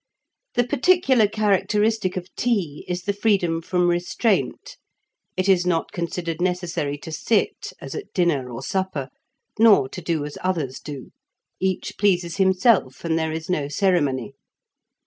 The particular characteristic of tea is the freedom from restraint; it is not considered necessary to sit as at dinner or supper, nor to do as others do; each pleases himself, and there is no ceremony.